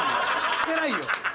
してないよ。